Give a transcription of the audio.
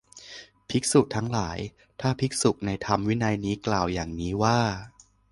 ภิกษุทั้งหลาย ถ้าภิกษุในธรรมวินัยนี้กล่าวอย่างนี้ว่า